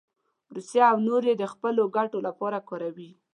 روسیه او نور یې د خپلو ګټو لپاره کاروي.